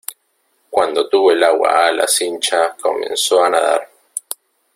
cuando tuvo el agua a la cincha comenzó a nadar,